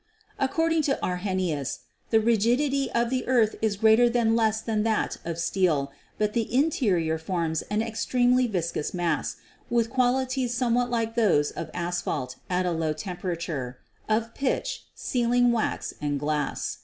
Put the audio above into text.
Ac cording to Arrhenius, "the rigidity of the earth is greater rather than less than that of steel, but the interior forms an extremely viscous mass, with qualities somewhat like those of asphalt at a low temperature, of pitch, sealing wax and glass."